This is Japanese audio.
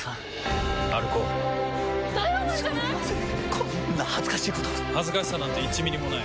こんな恥ずかしいこと恥ずかしさなんて１ミリもない。